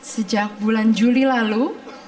sejak bulan juli lalu